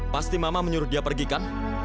pasti mama menyuruh dia pergi kan